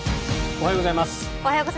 おはようございます。